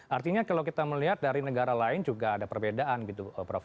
artinya kalau kita melihat dari negara lain juga ada perbedaan gitu prof